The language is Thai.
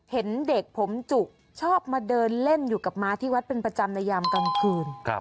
เห็นเด็กผมจุชอบมาเดินเล่นอยู่กับม้าที่วัดเป็นประจำในยามกลางคืน